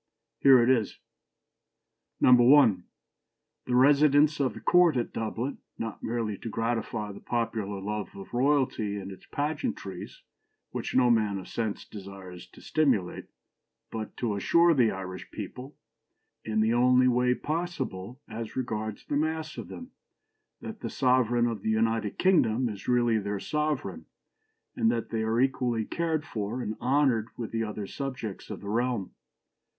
Here it is. "1. The residence of the Court at Dublin, not merely to gratify the popular love of royalty and its pageantries, which no man of sense desires to stimulate, but to assure the Irish people, in the only way possible as regards the mass of them, that the sovereign of the United Kingdom is really their sovereign, and that they are equally cared for and honoured with the other subjects of the realm.